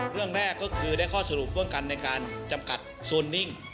เรื่องแรกก็คือได้ข้อสรุปร่วมกันในการจำกัดโซนนิ่ง